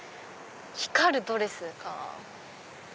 光るドレスか。